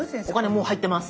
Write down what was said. もう入ってます。